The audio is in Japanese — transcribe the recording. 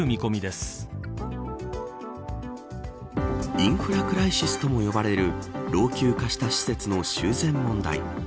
インフラクライシスとも呼ばれる老朽化した施設の修繕問題。